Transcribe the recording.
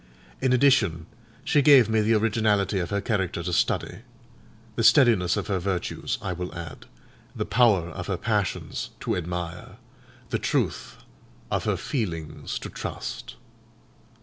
In addition, she gave me the originality of her character to study: the steadiness of her virtues, I will add, the power of her passions, to admire; the truth of her feelings to trust.